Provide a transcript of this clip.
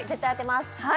はい！